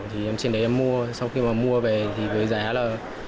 thì em trên đấy em mua sau khi mà mua về thì với giá là